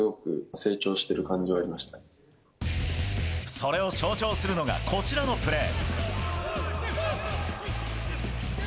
それを象徴するのがこちらのプレー。